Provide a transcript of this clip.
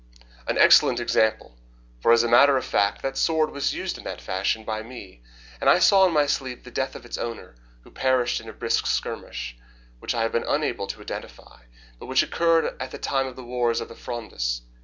"An excellent example, for, as a matter of fact, that sword was used in that fashion by me, and I saw in my sleep the death of its owner, who perished in a brisk skirmish, which I have been unable to identify, but which occurred at the time of the wars of the Frondists.